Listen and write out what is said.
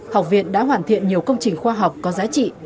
học viện đã hoàn thiện nhiều công trình khoa học có giá trị